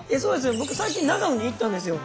僕最近長野に行ったんですよ。